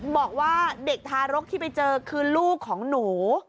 บอกว่าเด็กทารกที่ไปเจอคือลูกของหนู